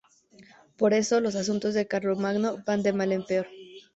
Por eso, los asuntos de Carlomagno van de mal en peor.